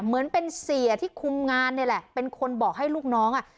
เหมือนเป็นเสียที่คุมงานนี่แหละเป็นคนบอกให้ลูกน้องอ่ะ